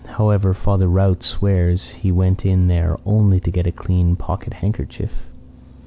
However, Father Rout swears he went in there only to get a clean pocket handkerchief.